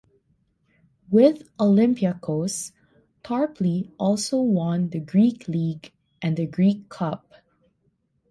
With Olympiacos, Tarpley also won the Greek League and the Greek Cup.